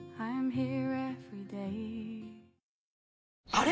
あれ？